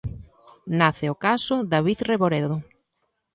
Nace o caso David Reboredo.